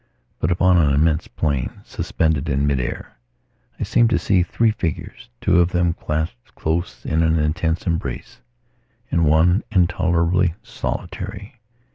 But upon an immense plain, suspended in mid air, I seem to see three figures, two of them clasped close in an intense embrace, and one intolerably solitary.